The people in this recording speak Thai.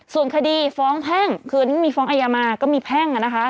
ส่วนคดีฟ้องแพ่งคืนที่มีฟ้องอายามาก็มีแพ่ง